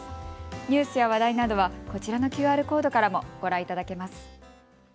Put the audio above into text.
ニュースや話題などはこちらのＱＲコードからもご覧いただけます。